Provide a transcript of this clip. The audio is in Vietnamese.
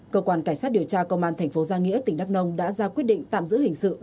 cơ quan cảnh sát điều tra công an thành phố gia nghĩa tỉnh đắk nông đã ra quyết định tạm giữ hình sự